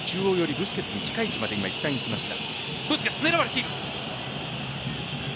ブスケツに近い位置までいったん行きました。